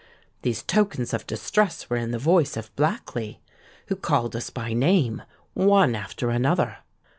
These tokens of distress were in the voice of Blackley, who called us by name, one after another.